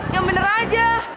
yang bener aja